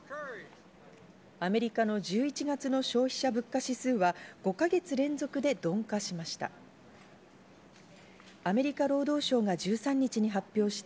アメリカの１１月の消費者物価指数は５か月連続で鈍化しました。